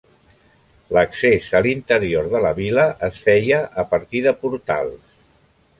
L'accés a l'interior de la vila es feia a partir de portals.